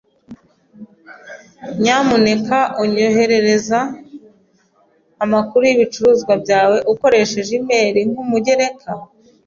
Nyamuneka unyoherereza amakuru y'ibicuruzwa byawe ukoresheje e-imeri nk'umugereka?